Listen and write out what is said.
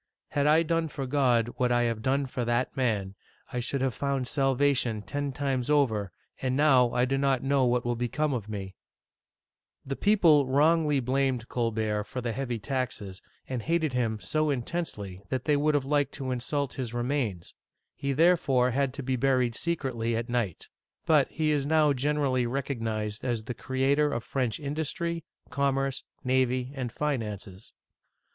Had I done for God what I have done for that man, I should have found salvation ten times over, and now I do not know what will become of me !" The people wrongly blamed Colbert for the heavy taxes, and hated him^so intensely that they would have liked to insult his remains ; he therefore had to be buried secretly at night. But he is now generally recognized as the creator of French industry, commerce, navy, and finances.